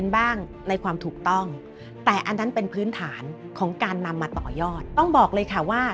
บ้างในความถูกต้องแต่อันนั้นเป็นพื้นฐานของการนำมาต่อยอดต้องบอกเลยค่ะว่า